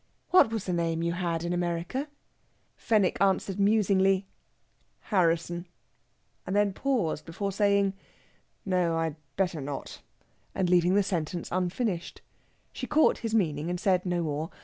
"What was the name you had in America?" Fenwick answered musingly, "Harrisson," and then paused before saying, "No, I had better not...." and leaving the sentence unfinished. She caught his meaning, and said no more.